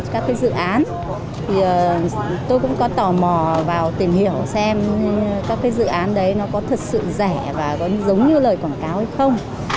các dự án tôi cũng có tò mò vào tìm hiểu xem các dự án đấy có thật sự rẻ và có giống như lời quảng cáo hay không